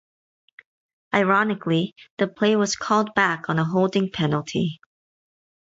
Ironically, the play was called back on a holding penalty.